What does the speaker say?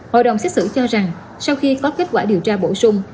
hội đồng xét xử cho rằng sau khi có kết quả điều tra bổ sung